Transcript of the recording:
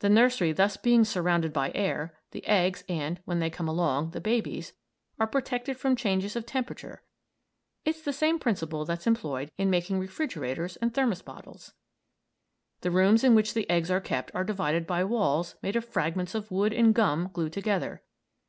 The nursery thus being surrounded by air, the eggs and, when they come along, the babies are protected from changes of temperature. It's the same principle that's employed in making refrigerators and thermos bottles. The rooms in which the eggs are kept are divided by walls made of fragments of wood and gum glued together.